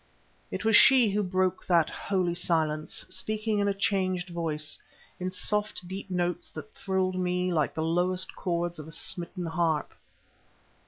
It was she who broke that holy silence, speaking in a changed voice, in soft deep notes that thrilled me like the lowest chords of a smitten harp.